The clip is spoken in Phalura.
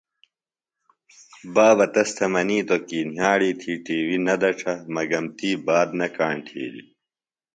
بابہ تس تھےۡ منیتوۡ کی نِھیاڑی تھی ٹی وی نہ دڇھہ مگم تی بات نہ کاݨ تِھیلی۔